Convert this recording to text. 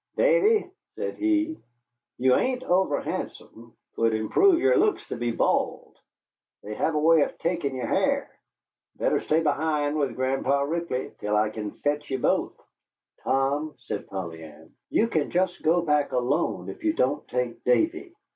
"Davy," said he, "you ain't over handsome. 'Twouldn't improve yere looks to be bald. They hev a way of takin' yere ha'r. Better stay behind with Gran'pa Ripley till I kin fetch ye both." "Tom," said Polly Ann, "you kin just go back alone if you don't take Davy."